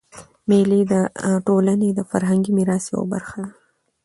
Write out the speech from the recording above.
مېلې د ټولني د فرهنګي میراث یوه برخه ده.